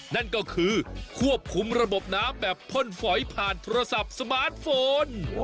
นั่นก็คือควบคุมระบบน้ำแบบพ่นฝอยผ่านโทรศัพท์สมาร์ทโฟน